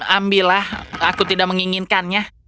ambillah aku tidak menginginkannya